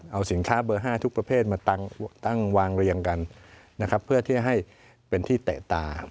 เอาสินค้าเบอร์๕ทุกประเภทมาตั้งวางเรียงกันนะครับเพื่อที่จะให้เป็นที่เตะตา